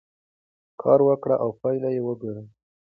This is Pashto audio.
کار وکړئ او پایله یې وګورئ.